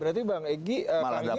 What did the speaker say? berarti bang egy kan dapat pendulang suara